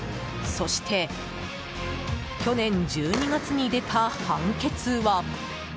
そして去年１２月に出た判決は。